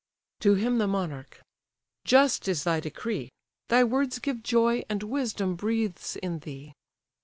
To him the monarch: "Just is thy decree, Thy words give joy, and wisdom breathes in thee.